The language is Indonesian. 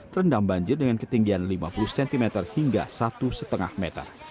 terendam banjir dengan ketinggian lima puluh cm hingga satu lima meter